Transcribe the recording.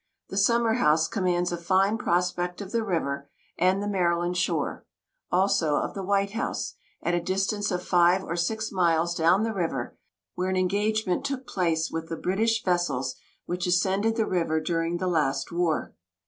The summer house commands a fine prospect of the river and the Maryland shore; also of the White House, at a distance of five or six miles down the river, where an engagement took place with the British vessels which ascended the river during the last war.